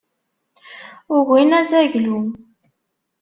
Ugin azaglu.